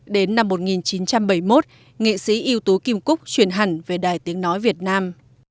đến năm một nghìn chín trăm bảy mươi một nghệ sĩ ưu tú kim cúc truyền hẳn về đài tiếng nói việt nam